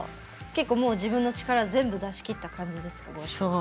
結構、自分の力全部出しきった感じですか？